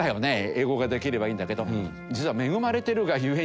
英語ができればいいんだけど。